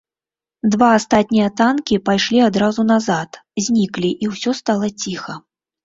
Два астатнія танкі пайшлі адразу назад, зніклі, і ўсё стала ціха.